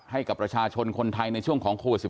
ให้กับประชาชนคนไทยในช่วงของโควิด๑๙